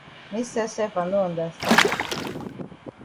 Me sef sef I no understand.